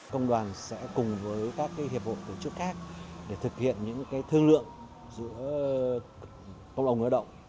công đoàn sẽ cùng với các hiệp hội tổ chức khác để thực hiện những thương lượng giữa công đoàn người lao động